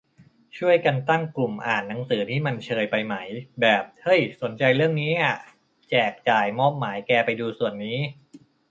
ชวนกันตั้งกลุ่มอ่านหนังสือนี่มันเชยไปไหม แบบ เฮ้ยสนเรื่องนี้ อะ แจกจ่ายมอบหมายแกไปดูส่วนนี้